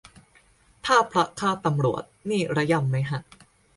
ถ้าพระฆ่าตำรวจนี่ระยำไหมฮะ